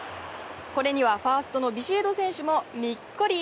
これにはファーストのビシエド選手もにっこり。